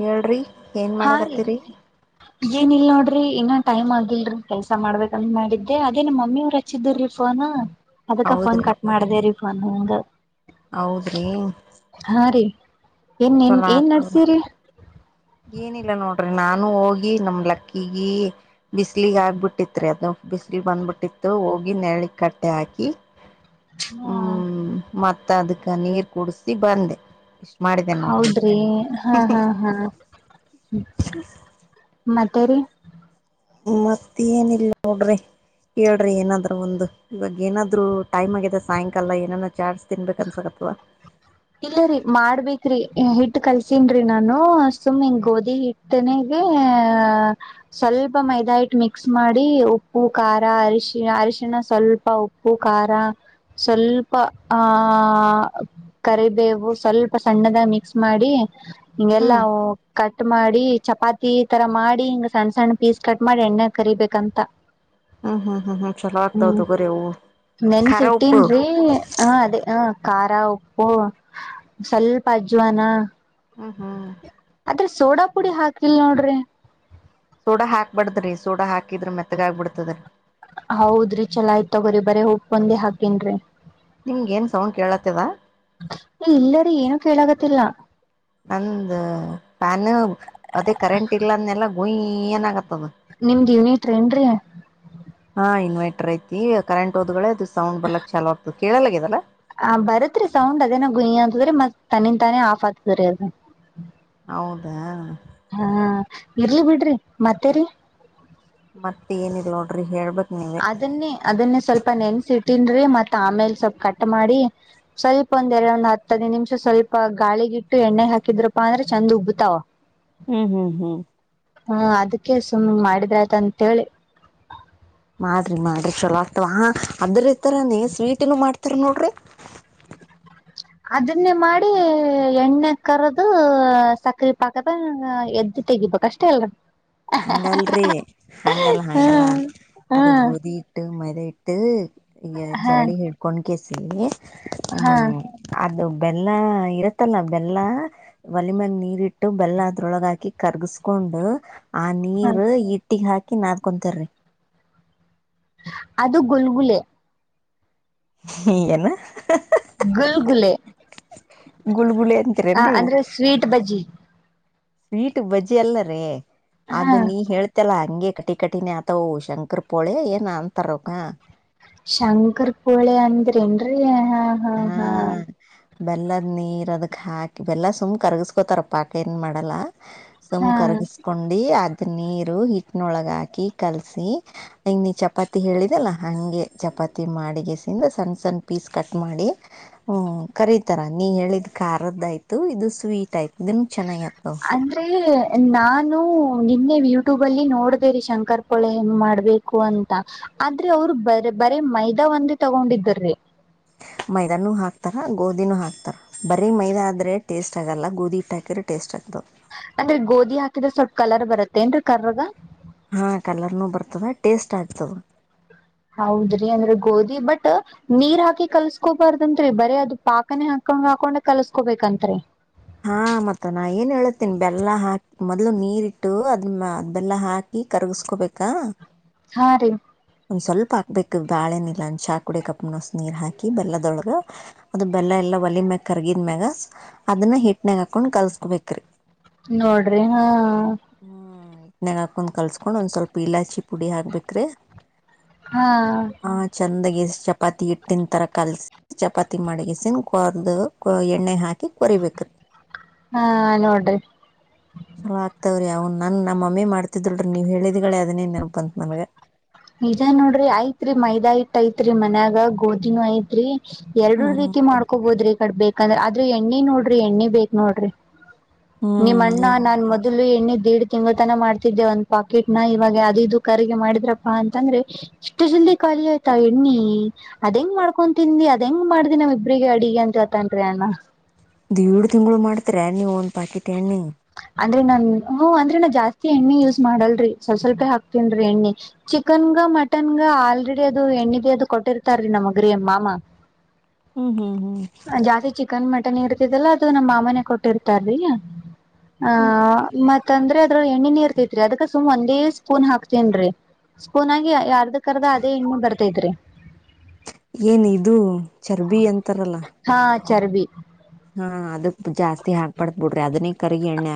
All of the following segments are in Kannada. ಹೇಳ್ರಿ ಏನ್ ಹಾ ರೀ ಮಾಡಕತ್ತೀರಿ ಏನ ಇಲ್ಲ ನೋಡ್ರಿ ರಿ ಇನ್ನ ಟೈಮ್ ಆಗಿಲ್ರರಿ ಕೆಲ್ಸಾ ಮಾಡ್ಬೇಕಂತ ಮಾಡಿದ್ದೆ ಅದೇ ನಮ್ಮ ಮಮ್ಮಿ ಅವರು ಹಚ್ಚಿದ್ರೀ ಫೋನ್ ಅದಕ್ಕ ಫೋನ್ ಹೌದ್ರಿ ಕಟ್ ಮಾಡ್ದೇ ರೀ ಫೋನ್ ಹಂಗ ಹೌದ್ರಿ ಹಾ ರೀ ಏನ್ ನಿನ್ ಚಲೋ ಏನ್ ಆತು ನಡ್ಸಿರಿ ಏನಿಲ್ಲ ನೋಡ್ರಿ ನಾನು ಹೋಗಿ ನಮ ಲಕ್ಕಿಗೇ ಬಿಸ್ಲಗ್ ಆಗ್ಬಿಟ್ಟಿತ್ರಿ ಅದು ಬಿಸ ಬಿಸಿಲು ಬಂದ್ಬಿಟ್ಟಿತ್ತು ಹೋಗಿ ನೆಳ ಕಟ್ಟೆ ಹಾಕಿ ಹಾ ಹ್ಮ್ ಮತ್ತ ಅದಕ್ಕ ನೀರ್ ಕುಡಸಿ ಬಂದೆ ಮಾಡಿದೆ ನೋಡ್ರಿ ಹೌದ್ರಿ ಹಾ ಹಾ ಹಾ ಮತೇ ರಿ ಮತ್ತ ಏನಿಲ್ಲ ನೋಡ್ರಿ ಹೇಳ್ರಿ ಏನಾದ್ರು ಒಂದು ಇವಾಗ ಏನಾದ್ರು ಟೈಮ್ ಆಗಿದೆ ಸಾಯಂಕಾಲ ಏನಾದ ಚಾರ್ಜು ತಿನ್ಬೇಕು ಅನ್ಸಕತ್ವಾ ಇಲ್ಲರರಿ ಮಾಡ್ಬೇರಿ ಹಿಟ್ಟ ಕಲ್ಸನ್ರರಿ ನಾನು ಸುಮ್ಗ ಗೋಧಿ ಹಿಟ್ಟನೆೇ ಇದ ಸ್ವಲ್ಪ ಮೈದಾ ಇಟ್ಟ ಮಿಕ್ಸ್ ಮಾಡಿ ಉಪ್ಪು ಖಾರ ಅರಿಶಿ ಅರಿಷಿನ ಸ್ವಲ್ಪ ಉಪ್ಪು ಖಾರ ಸ್ವಲ್ಪ ಆ ಕರಿಬೇವು ಸ್ವಲ್ಪ ಸಣ್ಣದಾಗ ಮಿಕ್ಸ್ ಮಾಡಿ ಹಿಂಗೆಲ್ಲಾ ಹ್ಮ್ ಕಟ್ ಕಟ್ ಮಾಡಿ ಚಪಾತಿ ತರ ಮಾಡಿ ಹಿಂಗ್ ಸಣ್ಣ ಸಣ್ಣ ಪೀಸ್ ಕಟ್ ಮಾಡಿ ಎಣ್ಣೆ ಕರಿಬೇಕಂತ ಹ್ಮ್ ಹ್ಮ್ ಹ್ಮ್ ಹ್ಮ್ ಚಲೋ ಆಗ್ತಾವ ಹ್ಮ್ ತಗೋರಿ ಅವು ಖಾರ ನೆನ್ಸಿಇಟ್ಟಿನ್ ಉಪ್ಪು ರೀ ಹ ಅದೇ ಹ ಖಾರ ಉಪ್ಪು ಸ್ವಲ್ಪ ಅಜ್ವಾನ ಹ್ಮ್ ಹ್ಮ್ ಅದ್ರೆ ಸೋಡಾ ಪುಡಿ ಹಾಕಿಲ್ ನೋಡ್ರಿ ಸೋಡಾ ಹಾಕ್ಬಡ್ದ್ರಿ ಸೋಡಾ ಹಾಕಿದ್ರ ಮೆತ್ತಗಾಗ್ ಆಗಬಿತದ್ರೀ ಹೌದ್ರಿ ಚಲ ಆಯ್ತತ್ ತಗೋರಿಿ ಬರೀ ಉಪ್ಪುಂದ ಹಾಕೇನ್ರಿ ನಿಂಗ ಏನ್ ಸೌಂಡ್ ಕೇಳತ್ತದ ಇಲ್ಲರಿ ಏನು ಕೇಳಾಗತ್ತಿಲ್ಲ ನಂದ ಫ್ಯಾನ್, ಅದೇ ಕರೆಂಟ್ ಇಲ್ಲ. ಅಂದೆಲ್ಲ ಗುಯಿ ಏನಾಗತ್ತೆ. [inaudible] ನಿಮ್ದ, ಯೂನಿಟ್ ಏನುರಿ. [inaudible] ರೀತೀ, ಕರೆಂಟ್ ಹೋದ್ಗಳ ಅದು ಸೌಂಡ್ ಬಲಕ್ ಚಲೋ ಆಗುತ್ತದೆ, ಕೇಳಲದಲ್ಲ. [inaudible] ಆ, ಬರತ್ರಿ ಸೌಂಡ್ ಅದೇನ ಗುಯಿ ಅಂತತ್ದ್ರರಿ ಮತ್? ತನಿಗು ತಾನೇ ಆಫ್ ಹೋಗುತ್ತಾಧಾರಿ. [inaudible] ಹೌದಾ! [inaudible] ಹಾ, ಇರ್ಲಿ ಬಿಡ್ರಿ ಮತ್ತೇರಿ? [inaudible] ಮತ್ತ, ಏನಿಲ್ಲ ನೋಡ್ರಿ ಹೇಳ್ಬೇಕು.. [inaudible] ಅದನ್ನೇ, ಅದನ್ನೇ, ಸ್ವಲ್ಪ ನೆನ್ಸಿಟು... [inaudible] ತಿನ್ನುರಿ, ಮತ್ತ ಆಮೇಲೆ ಸ್ವಲ್ಪ ಕಟ್ ಮಾಡಿ! ಸ್ವಲ್ಪ ಒಂದ್, ಎರಡು, ಒಂದ್ ಹತ್ತು ಹದಿನೈದು ನಿಮಿಷ ಸ್ವಲ್ಪ ಗಾಳಿ? [inaudible] ಹಿಟ್ಟು, ಎಣ್ಣೆ ಹಾಕಿದ್ರಪ್ಪ ಅಂದ್ರೆ ಚಂದ್ ಉಬ್ಬತಾವ? [inaudible] ಹ್ಮ್, ಹ್ಮ್, ಹ್ಮ್. [inaudible] ಹಾ, ಅದಕ್ಕೆ ಸುಮ್ಮನೆ! ಮಾಡಿದ ಅಂತ ಹೇಳಿ? [inaudible] ಮಾಡ್ರಿ, ಮಾಡ್ರಿ ಚೊಲೋ ಆಗ್ತವಾ! ಅದ್ರ ಇರ್ತಾರಾನೇ ಸ್ವೀಟ್ ಏನು ಮಾಡ್ತಾರ ನೋಡ್ರಿ? [inaudible] [unintelligible] [inaudible] ಅದನ್ನೇ, ಮಾಡಿ ಎಣ್ಣೆ ಕರದು, ಸಕ್ಕರೆ ಪಾಕದ ಎದ್ದ್. [inaudible] ತೇಗಿಬೇಕು, ಅಷ್ಟೇ ಅಲ್ಲ.... [inaudible] ಹಂಗಲ್ರಿ, ಹಂಗಲ್ಲ, ಹಂಗಲ್ಲ? ಹ್ಮ್ [inaudible] ಅದು, ಹ್ಮ್ ಗೋಧಿ ಹಿಟ್ಟು, ಮೈದ ಹಿಟ್ಟು, ಈಗ ಹ ಜರಡಿ ಹಿಡ್ಕೊಂಡ್ ಕೀಸ್. [inaudible] ಸರಿ, ಹ ಹ್ಮ್ಮ್, ಅದು.. [unintelligible] ಬೆಲ್ಲ, ಇರತ್ತಲ್ಲ ಬೆಲ್ಲ, ಒಲೆ ಮ್ಯಾಗ ನೀರಿ ಇಟ್ಟು ಬೆಲ್ಲ ಅದ್ರೊಳಗ, ಹಾಕಿ ಕರ್ಗಸ್ಕೊಂಡು. [inaudible] ಕೊಂಡು ಆ ಹ ನೀರ್ ಹಿಟ್ಟಿಗೆ, ಹಾಕಿ ನಕೊಂತರಿ... [inaudible] ಅದು, ಗುಲ್ಗುಲೆ! [inaudible] ಹ್ಮ, ಏನು. ಹಹಹಹಾ... [unintelligible] ಗುಲ್ಗುಲೆ ಗುಲ್ಗುಳೆ, ಅಂತೀರ ಆ ನೀವು? ಅಂದ್ರೆ ಸ್ವೀಟ್ ಬಜ್ಜಿ [inaudible] ಸ್ವೀಟ್, ಬಜ್ಜಿ ಅಲ್ಲರಿ, ಹಾ ಅದು ನೀ ಹೇಳ್ತಲ್ಲಾ? [inaudible] ಹಂಗೆ, ಕಟಿ ಕಟಿನೆ ಆತವು ಶಂಕರ್ ಪೋಳೆ ಏನೋ ಅಂತಾರೆ, ಅವರು, ಹಾ... [inaudible] ಶಂಕರ್, ಪೋಳೆ ಆಂಡ್ರೆಯೇನುರಿ, ಹಾ, ಹಾ! ಹಾ. [inaudible] ಬೆಲ್ಲದ, ನೀರ್ ಅದಕ್ ಹಾಕಿ ಬೆಲ್ಲ ಸುಮ್ಮನೆ ಕರಿಗಿಸಿಕೊಳ್ಳುತ್ತಾರೆ ಪಾಕು ಏನ್ ಮಾಡಲ್ಲ? ! [inaudible] ಹಾ ಸುಮನೆ, ಕರ್ಗಿಸಕೊಂಡಿ ಅ. [inaudible] ನೀರು, ಹಿಟ್ಟಿನೊಳಗ ಹಾಕಿ ಕಲ್ಸಿ! ಹಂಗ್ ನೀ ಚಪಾತಿ ಹೇಳಿದಲ್ಲಾ, ಹಂಗೆ ಚಪಾತಿ. [inaudible] ಚಪಾತಿ, ಮಾಡಡಿಗೆಸಿಂದ, ಸಣ್ಣ ಸಣ್ಣ ಪೀಸ್ ಕಟ್ ಮಾಡಿ. [inaudible] ಹ್ಮ್, ಕರೀತಾರ ನೀ ಹೇಳಿದ್ ಖಾರದು ಆಯ್ತು ಇದು ಸ್ವೀಟ್ ಆಯ್ತು ನಿಮ್ದು ಚೆನ್ನಾಗಿದೆ.. [inaudible] ಅಂದ್ರೆ, ನಾನು! [inaudible] ನಿನ್ನೆ ಯೂಟ್ಯೂಬ್ ಅಲ್ಲಿ ನೋಡ್ದೇರಿ! ಶಂಕರ್ ಕೊಳೆನ್ ಮಾಡ್ಬೇಕು? ಅಂತ ಆದ್ರೆ ಅವ್ರು ಬ! [inaudible] ಬರೀ, ಮೈದಾ ಒಂದು, ತಗೊಂಡಿದ್ದಿದ್ರಿ... [inaudible] ಮೈದಾನೂ ಹಾಕ್ತಾರ, ಗೋಧಿನೂ ಹಾಕ್ತಾರ ಬರೀ! ಮೈದಾ, ಆದ್ರೆ ಟೇಸ್ಟ್ ಆಗೋಲ್ಲ, ಗೋಧಿ ಹಿಟ್ಟು ಹಾಕಿದ್ರೆ ಟೇಸ್ಟ್ ಆಗ್ತದೆ? [inaudible] ಅಂದ್ರೆ, ಗೋಧಿ ಹಾಕಿದ್ರೆ, ಸ್ವಲ್ಪ ಕಲರ್ ಬರುತ್ತೇ ಏನ್ರೀ, ಕಾರುಗ... [inaudible] ಹಾ, ಕಲರ್ನು ಬರ್ತದೆ, ಟೇಸ್ಟ್ ಆಗ್ತದೆ... [inaudible] ಹೌದ್ರಿ, ಅಂದ್ರೆ ಗೋಧಿ, ಬಟ್ ನೀರ್ ಹಾಕಿ ಕಲ್ಸ್ಕೋಬಾರ್ದಂರಿ, ಬರೇ ಅದು ಪಾಕನೆೇ ಹಾಕ್! [inaudible] ಸುಮ್ನೇ, ಹಾಕೊಂಡ್ ಕಲ್ಸ್ಕೋಬೇಕಂತ್ರಿ? [inaudible] ಹಾ ಮತ್ತ ನಾ ಏನ್ ಹೇಳತೇನಿ! ಬೆಲ್ಲ ಹಾಕಿ ಮೊದ್ಲು ನೀರಿಟ್ಟು ಅದು ಅದ್ ಬೆಲ್ಲ ಹಾಕಿ. [inaudible] ನೀ, ಕರ್ಗಿಸಕೋಬೇಕಾ? [inaudible] ಹಾ, ರೀ? [inaudible] ಒಂದ್ ಸ್ವಲ್ಪ ಹಾಕ್ಬೇಕು! ಬಾಳೆನಿಲ್ಲ, ಚಾ ಕುಡಿಯಷ್ಟು, ಕಪ್ ನೀರ್ ಹಾಕಿ ಬೆಲ್ಲದೊಳಗ ಅದು ಬೆಲ್ಲ ಎಲ್ಲ. [inaudible] ಎಲ್ಲಾ ಒಳಗೆ, ಮೇಲ ಕರ್ಗಿದ ಮ್ಯಾಗ ಅದನ್ನ ಹಿಟ್ನಾಗ ಹಾಕೊಂಡ್ ಕಲ್ಸ್ಕೋಬೇಕ್ರಿ? [inaudible] ನೋಡ್ರಿ, ಹಾ. [inaudible] ಒಲೆನಾಗಾ, ಹಾಕೊಂಡ್ ಕಲ್ಸ್ಕೊಂಡ್! ಒಂದ್ ಸ್ವಲ್ಪ ಇಲಾಚಿ ಪುಡಿ ಹಾಕ್ಬೇಕ್ರಿ. [inaudible] ಹಾ ಹ, ಚಂದಾಗಿಷ್ಟ. [inaudible] ಚಪಾತಿ ಹಿಟ್ಟಿನ ತರ ಕಲ್ಸಿ, ಚಪಾತಿ ಮಡಗಸನ್ ಕೊರ್ದು ಎಣ್ಣೆ ಹಾಕಿ ಕೊರಿಬೇಕು. [inaudible] ಹಾ, ನೋಡು? [inaudible] ಚಲೋ ಆಗ್ತಾವ್ರಿ ಅವ್ ನನ್ ನಮ್ಮಮ್ಮಿ ಮಾಡ್ತಿದ್ಲ್ೀ ನೀವ್ ಹೇಳಿದಿಗಳೆ ಅದನ್ನೇ ನೆಲ್ಪಂತತ್ ನನ್ಗ ಇದ ನೋಡ್ರಿ ಆಐತ್ರಿ ಮೈದಾ ಇಟ್ಟ ಐತ್ರಿ ಮನ್ಯಾಗ ಗೋಧಿನೂ ಐತ್ರಿ ಎರಡು ಹ್ಮ್ ರೀತಿ ಮಾಡ್ಕೋಬೋದ್ರಿ ಈ ಕಡ್ ಬೇಕಂದ್ರ ಆದ್ರೂ ಎಣ್ಣಿ ನೋಡ್ರಿ ಎಣ್ಣಿ ಬೇಕಕ್ ನೋಡ್ರಿ ನಿಮ್ಮ ಹ್ಮ್ ಅಣ್ಣ ನಾನ್ ಮೊದಲು ಎಣ್ಣ್ ದೇಡ್ ತಿಂಗಳು ತನ ಮಾಡ್ತಿದ್ದೆ ಒಂದ್ ಪಾಕೆಟ್ ನ ಇವಾಗ ಅದು ಇದು ಕರ್ಗೆ ಮಾಡಿದ್ರ ಅಂತಂದ್ರೆ ಇಷ್ಟ ಜಲ್ದಿ ಖಾಲಿ ಆಯ್ತಾ ಎಣ್ಣಿ ಅದ ಹೆಂಗ್ ಮಾಡ್ಕೊಂತಿಂದಿ ಅದ ಹೆಂಗ್ ಮಾಡ್ದಿನ ನಾವು ಇಬ್ರಿಗೆ ಅಡಿಗೆ ಅಂತ ಜತನ್್ರರಿ ಅಣ್ಣ ಎಏಡು ತಿಂಗಳು ಮಾಡ್ತರ ನೀವ ಒಂದ್ ಪಾಕೆಟ್ ಎಣ್ಣಿ ಅಂದ್ರೆ ನಾನ್ ಹ ಅಂದ್ರೆ ನಾ ಜಾಸ್ತಿ ಎಣ್ಣೆ ಯೂಸ್ ಮಾಡಲ್ರಿ ಸ್ವಲ್ ಸ್ವಲ್ಪ ಹಾಕ್ತೀನ್ರಿ ಎಣ್ಣಿ ಚಿಕ್ಕ ಚಿಕನ್ಗ ಮಟನ್ಗ ಆಲ್ರೆಡಿ ಅದು ಎಣ್ಣಿಗೆ ಅದು ಕೊಟ್ಟಿರ್ತಾರೀ ನಮ್ಮಗ್ರೀ ಮಾಮ ಹ್ಮ್ ಹ್ಮ್ ಹ್ಮ್ ಇರ್ತಲ್ಲ ಅದು ನಮ್ಮ ಮಾಮನೆ ಕೊಟ್ಟಿರ್ತಾರಲಿಲ್ಲ ಆ ಹ್ಮ್ ಮ ಅಂದ್ರ ಅದ್ರ ಎಣ್ಣ ನೀರ್ತೇತ್ರಿ ಅದಕ್ಕ ಸುಮ್ ಒಂದೇ ಸ್ಪೂನ್ ಹಾಕ್ತನ್ರಿ ಸ್ಕೂನ್ ಆಗಿ ಯರ್ದ ಕರ್ದ ಅದೇ ಇಣ್ಣ ಬರ್ತೈ ಇದ್ರಿ ಏನ್ ಇದು ಚರ್ಬಿ ಅಂತಾರಲ್ಲ ಹಾ ಚರ್ಬಿ ಹಾ ಕರಿಿಗೆ ಎಣ್ಣ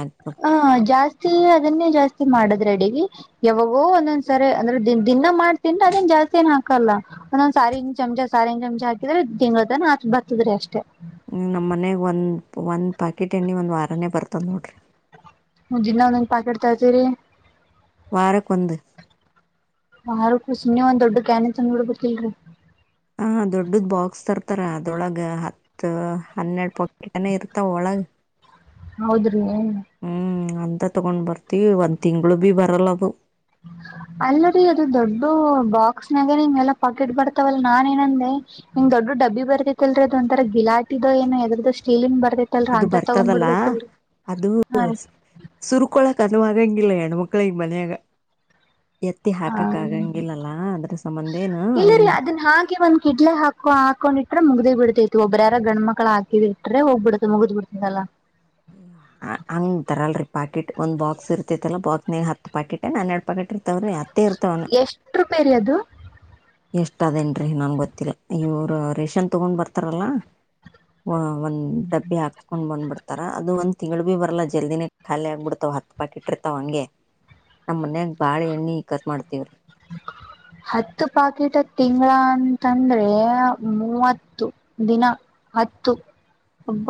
ಹ ಜಾಸ್ತಿ ಅದನ್ನೇ ಜಾಸ್ತಿ ಮಾಡದು ೆ ಯಾವಾಗೋ ಒಂದೊಂದ್ಸರಿ ಅಂದ್ರೆ ದಿನ ಮಾಡ್ತನ್್ರ ಅದನ್ ಜಾಸ್ತಿ ಏನ್ ಹಾಕಲ್ಲ ಒಂದಂದ್ಸ ಸಾರಿನ ಚಮಚಾ ಸಾರಿನ ಚಮ್ಚ ಹಾಕ್ರೆ ತಿಂಗಳ ತನ ಹಾಚ್ ಬರ್ತದ್ರೀ ಅಷ್ಟೇ ನಮ್ಮ ಮನೆಗೆ ಒಂದು ಒಂದು ಪಾಕೆಟ್ ಎಣ್ಣೆ ಒಂದು ವಾರನೇ ಬರ್ತದೆ ನೋಡಿರಿ ಹ ದನ್ನ ಒಂದಂಗ ಪಾಕ ಇಡ್ತಾ ಇರ್ತೀರಿ ವಾರಕ್ಕೊಂದು ನೀನ್ನವ ಒಂದ್ ದೊಡ್ ಕ್ಯಾನನ್ ತಂದ್ ಬಿಿಡ್ಬೇಕಿಲ್ರರಿ ದೊಡ್ಡದ ಬಾಕ್ಸ್ ತರ್ತಾರ ಅದೊಳಗ ಹತ್ತು ಹನ್ನೆರಡು ಪಾಕೆಟ್ನೆ ಇರ್ತಾವ ಒಳಗ ಹೌದ್ರಿ ಏ ಹ್ಮ್ ಅಂತ ತಗೊಂಡ್ ಬರ್ತಿವಿ ಒಂದ್ ತಿಂಗ್ಗಳು ಭ ಬರಲ್ಲ ಅದು ಹ್ಮ ಅಲ್ಲರೀ ಅದು ದೊಡ್ಡ ಬಾಕ್ಸ್ ನಾಗ ನಿಮ್ ಎಲ್ಲ ಪಾಕೆಟ್ ಬರ್ತಾವಲ್ಲ ನಾ ಏನಂದೆ ನಿಮ್ ದೊಡ್ಡ ಡಬ್ಬಿ ಬರ್ತಿತ್ತಲ್ರಿ ಅದ ಒಂರ ಗಿಾಟಿದ ಏನೋದದು ಸೀಲಿಿನ ಅದು ಬರ್ತದಲ್ಲಾ ಅದು ಹಾ ರೀ ಸುರ್ಕೊಳಕ ಗಂಗಿಲ್ಲ ಹಣು ಮಕ್ಕಳ ಮನೆಯಾಗ ಹ ಸಂಬಂಧೇನ ಇಲ್ಲ ರೀ ಇನ್ ಅದನ್ ಹಾಗೆ ಒಂದ ಕಿಡ್ಲೆ ಹಾಕೋ ಹಾಕೊಂಡಿಟ್ರ ಮುಗಿ ಬಿಡತೈತಿ ಒಬ್ಬ್ರ ಯಾರ ಗ್ ಮಕ್ಳ ಹಾಕಿದ ಇಟ್ರೆ ಹೋಗ್ ಬಿಡತತ್ ಮುಗಿದ್ ಬಿಡ್ತದಲ್ಲ ಹಂಗ ತರಲ್ರಿ ಪಾಕೆಟ್ ಒಂದ್ ಬಾಕ್ಸ್ ಇರ್ತೈತಲ್ಲಾ ಬಾಕ್ಸ್ ಹತ್ತು ಪಾಕೆಟ್ ನಾನ ಎರಡ್ ಪಾಕೆಟ್ ರೀ ತವ್ರ ಅತ್ತೇರ್ತವನ್ನು ಎಷ್ಟ್ ರೂಪಾಯಿ ರೀ ಅದು ಎಷ್ಟ ಅದೇನ್ರೀ ನನ್ ಗೊತ್ತಿಲ್ಲ ಇವರು ರೇಷನ್ ತಗೊಂಡ್ ಬರ್ತಾರಲ್ಲಾ ಒಂದ್ ಡಬ್ಬಿ ಹಾಕ್ಸ್ಕೊಂಡ್ ಬಂದ್ಬಿಡ್ತಾರ ಅದು ಒಂದ್ ತಿಂಗಗಳು ಭಿ ಬರಲ್ಲಾ ಜಲ್ದಿನೇ ಖಾಲಿ ಆಗ್ಬಿಡ್ತಾವ ಹತ್ತು ಪಾಕಿ ಇಟ್ಟಿರ್ತಾವ ಹಂಗೆ ನಮ್ ಮನ್ಯಾಗ ಬಾಳ ಎಣ್ಣಿ ಕತ್ ಮಾಡ್ತವ್ರಿ [unintelligible] ಹತ್ತು ಪಾಕೆಟ್ ತಿಂಗಳ ಅಂತಂದ್ರೆ ಮೂವತ್ತು ದಿನ ಹತ್ತು ಒಬ್ಬ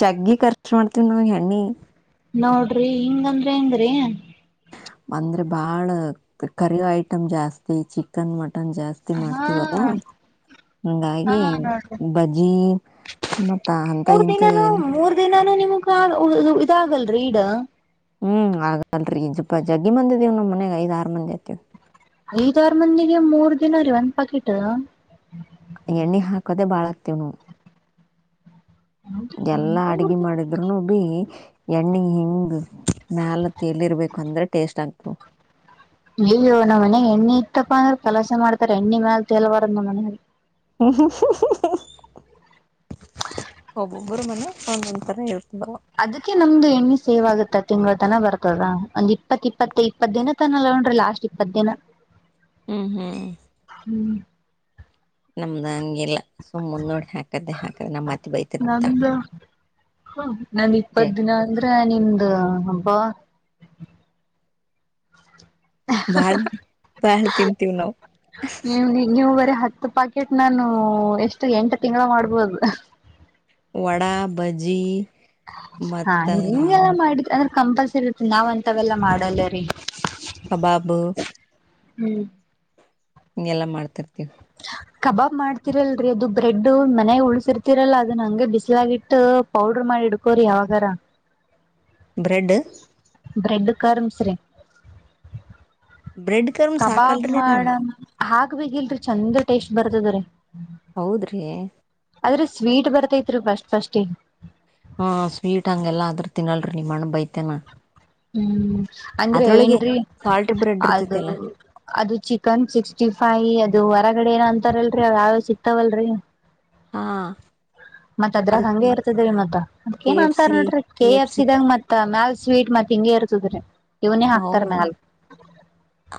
ಜಗ್ಗಿ ಖರ್ಚು ಮಾಡ್ತೀವಿ್ ನಾವು ಹೆಣ್ಣಿ ನೋಡ್ರಿ ಹಿಂಗಂದ್ರೆ ಹೆಂಗ್ರಿ ಅಂದ್ರೆ ಬಾಳ ಕರಿ ಐಟಮ್ ಜಾಸ್ತಿ ಚಿಕನ್ ಮ ಮಟನ್ ಜಾಸ್ತಿ ಹಾ ಮಾಡ್ತೀವಲ್ಲ ಹಾ ಹಂಗಾಗಿ ನೋಡ್ರಿ ಬಜ್ಜಿ ಮತ್ತ ಅಂತ ಇಂತ ಏನು ಇದಾಗಲ್ರರಿ ಈಡ ಹ್ಮ್ ಹಾಗಲರಿ ಸ್ವಪ ಜಗ್ಗಿ ಮಂದ ಇದೀವ್ ನಮ್ಮ್ ಮನೆಗ್ ಐದ ಆರು ಮಂದಿ ಆಐತಿೇವ ಐದಾರ ಮಂದಿಗೆ ಮೂರ್ ದಿನ ರೀ ಒಂದ್ ಪಾಕೆಟ್ ಎಣ್ಣೆ ಹಾಕದೆ ಬಾಳ ಹಾಕತೆವ ನಾವ ಎಲ್ಲಾ ಅಡಗಿ ಮಾಡಿದ್ರುನು ಬಿ ಎಣ್ಣಿ ಹಿಂಗ ಮ್ಯಾಲ ತೇಲಿ ಇರ್ಬೇಕು ಅಂದ್ರೆ ಟೇಸ್ಟ್ ಆಗ ಅಯ್ಯೋ ನಮ್ಮ್ ಮನೆಗೆ ಎಣ್ಣೆ ಇತ್ತಪ್ಪ ಅಂದ್ರರು ಕಲಾಸೆ ಮಾಡ್ತಾರ ಎಣ್ಣಿ ಮ್ಯಾಲ ತೇಲಬಾರದ ನಮ್ಮ ಮನ್ಯಾಗ ಹ್ಮ ಒಬ್ಬೊಬ್ಬರ ಮನ್ಯಾಗ ಒಂದ ಒಂದ್ ತರ ಇರ್ತ ಅದಕ್ಕೆ ನಮ್ದು ಎಣ್ಣಿ ಸೇವ್ ಆಗುತ್ತ ತಿಂಗಳ ತನ ಬರ್ತದ ಒಂದ್ ಇಪ್ಪತ್ ಇಪ್ಪತ್ತ ಇಪ್ಪತ್ತ ದಿನ ತನ ನೋಡ್ರಿ ಲಾಸ್ಟ್ ಇಪ್ಪತ್ತು ದಿನ ಹ್ಮ್ ಹ್ಮ್ ಹ್ಮ್ ನಮ್ದ ಹಂಗಿಲ್ಲ ಸುಮ್ ಮುಂದೋಡಿ ಹಾಕದ್ದೇ ಹಾಕದ ನಮ್ಮ್ ಅತ್ತಿ ಬೈತಿರತಾಳ ಹ ನಂದ್ ಇಪ್ಪತ್ ದಿನ ಅಂದ್ರೆ ನಿಮ್ದ ಹಬ್ಬ [inaudible] ಬಾಳ ಬಾಳ ತಿನ್ನತಿವ ನಾವ ನೀವ ರೀ ನೀವ ಬರ ಹತ್ತು ಪಾಕೆಟ್ ನಾನು ಎಷ್ಟು ಎಂಟು ತಿಂಗಳ ಮಾಡ್ಬೋದು ವಡಾ ಭಜಿ ಹಾ ಹಿಂಗೆಲ್ಲ ಮಾಡಿದ ಅದ ಕಂಪಲ್ಸರಿ ನಾವ್ ಅಂತಾವೆಲ್ಲಾ ಮಾಡಲ್ಲರಿ ಕಬಾಬ್ ಹ್ಮ್ ಇಗೆಲ್ಲ ಮಾಡ್ತಿರ್ತಿತೆವಿ ಕಬಾಬ್ ಮಾಡ್ತರಲ್ರರಿ ಅದು ಬ್ರೆಡ್ ಮನ್ಯಾಗ ಉಳಸಿರ್ತಿರಲ್ಲ ಅದನ್ನ ಹಂಗ ಬಿಸಲಾಗಿಟ್ಟ ಪೌಡರ್ ಮಾಡಿ ಇಡ್ಕೋರಿ ಇಟಕೋರಿ ಯಾವಾಗರ ಬ್ರೆಡ್ ಬ್ರೆಡ್ ಕರ್ಮಸ್ರಿ ಬ್ರೆಡ್ ಕರ್ಮ್ ಕಬಾಬ್ ಸಾಕಲ್ರಿ ನಾನು ಮಾಡಣ ಹಾಕಬೇಕಿಲ್ಲರಿ ಚಂದ ಟೇಸ್ಟ್ ಬರ್ತದ ರೀ ಹೌದ್ರಿ ಆದ್ರೆ ಸ್ವೀಟ್ ಬರ್ತೈತ್ರಿ ಫಸ್ಟ್ ಫಸ್ಟ್ ಗೆ ಹಾ ಸ್ವೀಟ್ ಹಂಗೆಲ್ಲ ಅಂದ್ರ ತಿನ್ನಲ್ರಿ ನಿಮ್ ಅಣ್ಣ ಬೈತೆನಾ ಹ್ಮ್ ಅಂದ್ರೆ ಏನ್ ರೀ ಸಾಲ್ಟ್ ಬ್ರೆಡ್ ಅದ ಇರ್ತೈತಲ್ಲ ಅದು ಚಿಕನ್ ಸಿಕ್ಸ್ಟಿ ಫಾಯಿ ಅದು ಹೊರಗಡೆ ಏನ ಅಂತಾರಲ್ರಿ ಅವ ಯಾವ ಸಿಕ್ತಾವಲ್ರರಿ ಹಾ ಮತ್ ಅದ್ರಾಗ ಹಂಗೆ ಅದಕ್ಕೆ ಇರ್ತದ್ರೀ ಮತ್ತ ಅದ್ ಕೆ ಏನ್ ಎಫ್ ಅಂತಾರ ಸಿ ನೋಡ್ರಿ ಕೆ ಎಫ್ ಸಿ ಎಫ್ಸಿದಾಗ ಮತ್ ತ್ತ ಮ್ಯಾಲ ಸ್ವೀಟ್ ಮತ್ ಹಿಂಗಗೆ ಇರ್ತದ್ರೀ ಇವ್ನೇ ಹೌ ಹಾಕ್ತಾರ ಮ್ಯಾಲ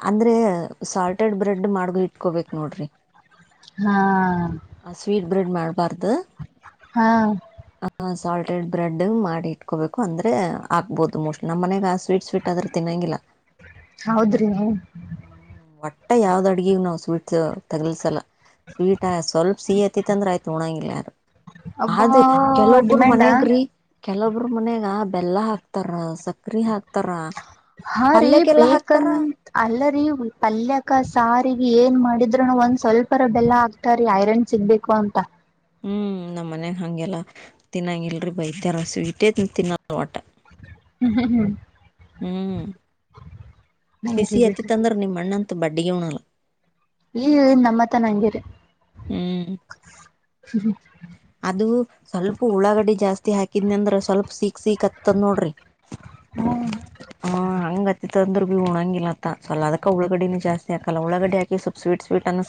ಅಂದ್ರೆ ಸಾಲ್ಟೆಡ್ ಬ್ರೆಡ್ ಮಾಡಿ ಇಟ್ಕೋಬೇಕ ನೋಡ್ರಿ ಹಾ ಸ್ವೀಟ್ ಬ್ರೆಡ್ ಮಾಡಬಾರ್ದ ಹಾ ಸಾಲ್ಟೆಡ್ ಬ್ರೆಡ್ ಮಾಡಿ ಇಟ್ಕೋಬೇಕು ಅಂದ್ರೆ ಆಕ್ಬಹದು ಮೋಸ್ಟ್ ನಮ್ಮ ಮನ್ಯಾಗ ಆ ಸ್ವೀಟ್ ಸ್ವೀಟ್ ಆದ್ರ ತಿನ್ನೊಂಗಿಲ್ಲ ಹೌದ್ರಿ ಒಟ್ಟ ಯಾವ್ದ್ ಅಡಗಿಗ ನಾವು ಸ್ವೀಟ್ಸ್ ತಗಲಸಲ್ಲ ಸ್ವೀಟ್ ಸ್ವಲ್ಪ ಸಿಹ ಹತಿತ್ ಅಂದ್ರ ಆಯ್ತ ಉಣಂಗಿಲ್ಲ ಯಾರು ಅಬ್ಬಾ ಆದ ಕೆಲೊಬ್ಬ್ರ ಡಿಮ್ಯಾಂಡ ಮನ್ಯಾಗ್ರಿ ಕೆಲೊಬ್ರ ಮನ್ಯಾಗ ಬೆಲ್ಲ ಹಾಕ್ತಾರ ಸಕ್ರಿ ಹಾಕ್ತಾರ ಹಾ ರೀ ಪಲ್ಯಕ್ಕೆಲ್ಲ ಹಾಕ್ತಾರ ಬೇಕನ್ ಅಲ್ಲ ರೀ ಪಲ್ಯಕ ಸಾರಿಗೆ ಏನ್ ಮಾಡಿದ್ರನು ಒಂದ್ ಸ್ವಲ್ಪರ ಬೆಲ್ಲ ಹಾಕತಾರ ರೀ ಐರನ್ ಸಿಗ್ಬೇಕು ಅಂತ ಹ್ಮ್ ನಮ್ ಮನ್ಯಾಗ ಹಂಗಗೆಲ್ಲ ತಿನ್ನಂಗಗಿಲ್ಲ ರೀ ಬೈದರ ಸ್ವೀಟೇ ತಿನ್ನಲ್ಲ ಒಟ್ಟ ಹ್ಮ್ ಇರ್ಲಿ ಶಿಸಿ ಹಚ್ಚಿ ಬಿಡ್ರಿ ತಂದ್ರ ನಿಮ್ಮಣ್ಣ ಬಡ್ಡಿ ಗೆ ಉಣ್ಣಗಿಲ್ಲ ಈ ನಮ್ಮತ್ರನ ಹಂಗೆರಿ ಹ್ಮ್ ಹ್ಮ್ ಅದು ಸ್ವಲ್ಪ ಉಳ್ಳಾಗಡೆ ಜಾಸ್ತಿ ಹಾಕಿದನ ಅಂದ್ರ ಸ್ವಲ್ಪ ಸಿಕ್ ಸಿಕ್ ಕತ್ತದ್ ನೋಡ್ರಿ ಹ್ಮ ಹ ಹಂಗ ಕತ್ತ ಅಂದರು ಬಿ ಉಣಂಗಿಲ್ಲತ್ತ ಸ ಅದಕ್ಕ ಉಳಗಡಿನ ಜಾಸ್ತಿಾಕಲ್ಲ ಉಳಗಡ್ ಹಾಕಿ ಸ್ವಪ ಸ್ವೀಟ್ ಸ್ವಟ್ ಅನ್ನ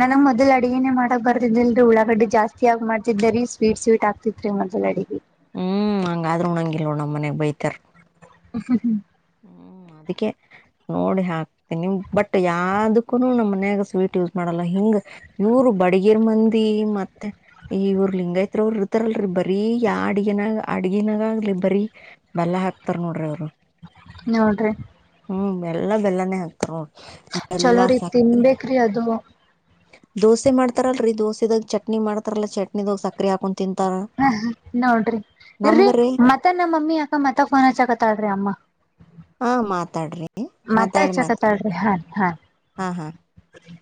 ನನಗ್ ಮೊದಲ್ ಅಡಗನೇ ಮಾಡ ಬರ್ದಿಲ್ ಉಳ್ಳಳಾಗಡ್ಡೆ ಜಾಸ್ತಿಗಿ ಮಾಡ್ತಿದ ರೀ ಸ್ವೀಟ್ ಸ್ವೀಟ್ ಆಗ್ತಿತ್ರಿ ಮೊದಲ ಅಡೆಿಗೆ ಹ್ಮ್ ನಂಗಾದ್ರೂ ಉಣಂಗಿಲ್ಲಲ್ವ ನಮ್ಮ ಮನೆಗ್ ಬೈತರ್ ಹ ಹ್ಮ ಹ್ಮ್ ಹ್ಮ್ ಅದಕ್ಕೆ ನೋಡಿ ಹಾಕ್ತೀ ನಿಮ್ ಬಟ್ ಯಾವದಕ್ಕು ನಮ್ಮ್ ಮನ್ಯಾಗ ಸ್ವೀಟ್ ಯೂಸ್ ಮಾಡಲ್ಲ ಹಿಂಗ ಇವರು ಬಡಗಿರ್ ಮಂದಿ ಮತ್ತೆ ಈ ಇವರು ಲಿಂಗಾಯತ್ ಅವರು ಇರ್ತಾರಲ್ರಿ ಬರೀ ಯ ಅಡ್ಗನಾಗ ಅಡ್ಗಿನಾಗಗ್ಲಿ ಬರೀ ಬಲ ಹಾಕ್ತಾರ ನೋಡ್ರಿ ಅವ್ರು ನೋಡ್ರಿ ಹ್ಮ್ ಬೆಲ್ಲ ಬೆಲ್ಲನೇ ಹಾಕ್ತಾರ ನೋ ಬೆಲ್ಲ ಚಲೋರಿ ಸಕರೆ ತಿನ್ಬೇಕ್ರಿ ಅದು ದೋಸೆ ಮಾಡ್ತಾರಲ್ರರಿ ದೋಸೆದಾಗ ಚಟ್ನಿ ಮಾಡ್ತಾರಲ್ಲಾ ಚಟ್ನಿದಾಗ ಸಕ್ರ ಹಾಕ ಹ ನೋಡ್ರಿ ಇಲ್ರಿ ನಮ್ಗರೀ ಮತ್ತ ನಮ್ಮ ಮಮ್ಮಿ ಅಕ್ಕ ಮತ್ತಕ್ ಫೋನ್ ಹಚ್ಚಕತ್ತಾದ್ರಿ ಅಮ್ಮ ಹಾ ಮಾತಾಡ್ರಿ ಮತ್ತೆ ಮಾತಾಡಿ ಮಾತ್ ಚಕತಾಳ್ರಿ ಹಾ ಹಾ ಹಾ.. ಛಿ.